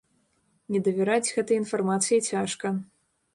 Не давераць гэтай інфармацыі цяжка.